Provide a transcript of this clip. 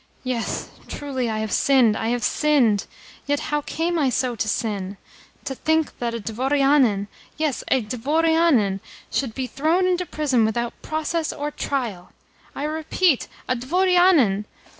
Yes, truly I have sinned, I have sinned! Yet how came I so to sin? To think that a dvorianin yes, a dvorianin should be thrown into prison without process or trial! I repeat, a dvorianin!